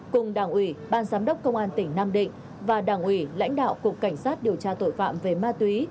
cùng đảng ủy ban giám đốc công an tỉnh nam định và đảng ủy lãnh đạo cục cảnh sát điều tra tội phạm về ma túy